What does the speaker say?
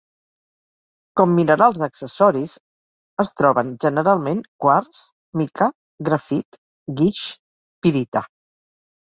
Com minerals accessoris, es troben generalment quars, mica, grafit, guix, pirita.